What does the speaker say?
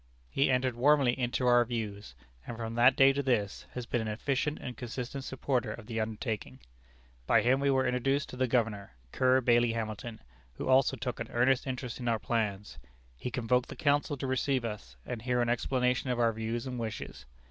He entered warmly into our views, and from that day to this, has been an efficient and consistent supporter of the undertaking. By him we were introduced to the Governor, (Kerr Bailey Hamilton,) who also took an earnest interest in our plans. He convoked the Council to receive us, and hear an explanation of our views and wishes.